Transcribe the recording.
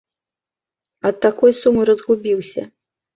Ад такой сумы разгубіўся.